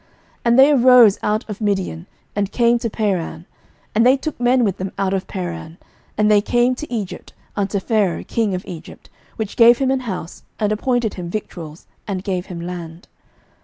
11:011:018 And they arose out of Midian, and came to Paran: and they took men with them out of Paran, and they came to Egypt, unto Pharaoh king of Egypt; which gave him an house, and appointed him victuals, and gave him land.